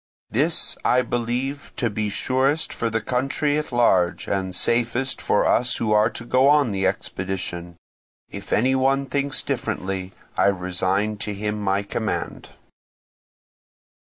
This I believe to be surest for the country at large, and safest for us who are to go on the expedition. If any one thinks differently I resign to him my command."